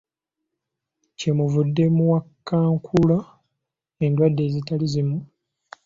Kyemuvudde muwakankula endwadde ezitali zimu.